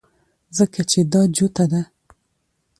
ځکه چې دا جوته ده